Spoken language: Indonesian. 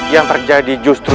yang terjadi justru